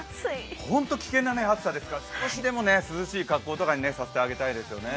ホント危険な暑さですから、少しでも涼しい格好にさせてあげたいですね。